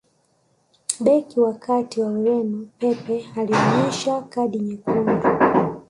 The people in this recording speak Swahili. beki wa kati wa ureno pepe alioneshwa kadi nyekundu